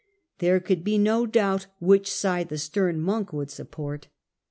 There could be no doubt which side the stem monk would support.